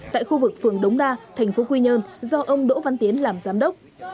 tại khu vực phường đống đa thành phố quy nhơn do ông đỗ văn tiến làm giám đốc